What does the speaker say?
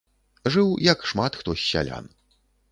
Жыў, як шмат хто з сялян.